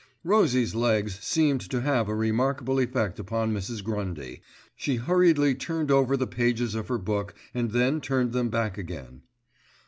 Rosie's legs seemed to have a remarkable effect upon Mrs. Grundy. She hurriedly turned over the pages of her book and then turned them back again.